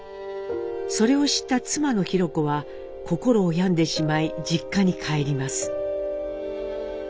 それを知った妻の裕子は心を病んでしまい実家に帰ります。